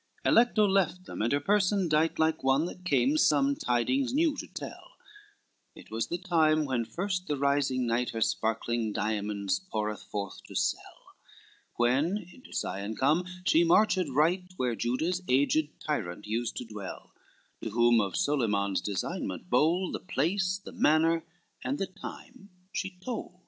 XIV Alecto left them, and her person dight Like one that came some tidings new to tell: It was the time, when first the rising night Her sparkling diamonds poureth forth to sell, When, into Sion come, she marched right Where Juda's aged tyrant used to dwell, To whom of Solyman's designment bold, The place, the manner, and the time she told.